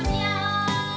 terima kasih pak hendrik